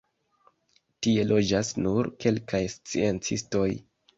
Tie loĝas nur kelkaj sciencistoj.